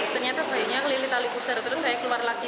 ternyata bayinya keliling tali pusar terus saya keluar lagi